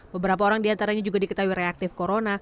beberapa orang diantaranya juga diketahui reaktif corona